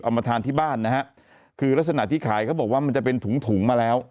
มาทานที่บ้านนะฮะคือลักษณะที่ขายเขาบอกว่ามันจะเป็นถุงถุงมาแล้ว